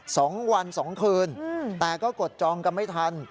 สองวันสองคืนอืมแต่ก็กดจองกันไม่ทัน